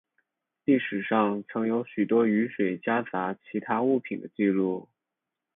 历史上曾有许多雨水夹杂其他物品的记录。